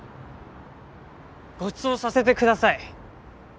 ごちそうさせてください。